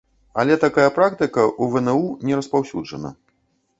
Але такая практыка ў вну не распаўсюджана.